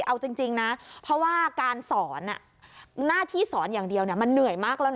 เอาจริงนะเพราะว่าการสอนหน้าที่สอนอย่างเดียวมันเหนื่อยมากแล้วนะ